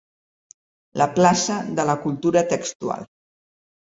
La plaça de la cultura textual.